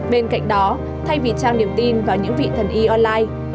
bên cạnh đó thay vì trang điểm tin vào những vị thần y online